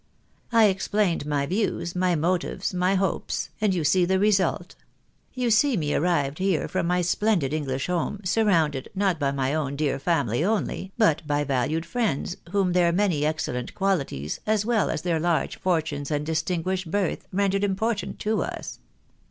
I explained my views, my motives, my hopes ! and you see the result. You see me arrived here from my splendid English home, surrounded, not by my own dear family only, but by valued friends, whom their many excellent qualities, as well as their large fortunes and distinguished, birth, rendered important to us.